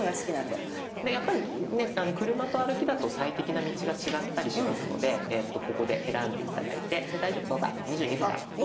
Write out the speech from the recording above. でやっぱりね車と歩きだと最適な道が違ったりしますのでここで選んで頂いてで大丈夫そうだ２２分だ。